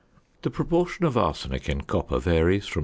~ The proportion of arsenic in copper varies from 0.